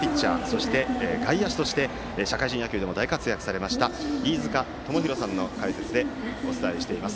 そして、外野手として社会人野球でも大活躍されました飯塚智広さんの解説でお伝えしています。